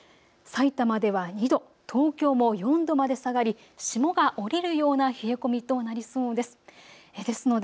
さいたまでは２度、東京も４度まで下がり霜が降りるような冷え込みとなりそうなんです。